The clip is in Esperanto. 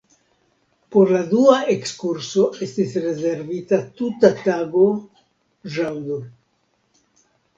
Por la dua ekskurso esti rezervita tuta tago, ĵaŭdo.